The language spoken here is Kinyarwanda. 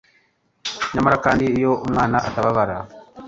nyamara kandi, iyo umwana atababara